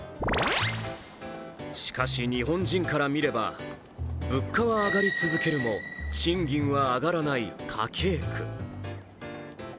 しかし、日本人から見れば物価は上がり続けるも賃金は上がらない家計苦。